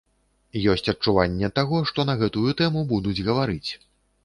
Ёсць адчуванне таго, што на гэтую тэму будуць гаварыць.